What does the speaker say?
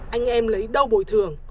anh em lấy đâu bồi thường